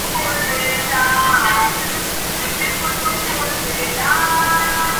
La base del programa es la música.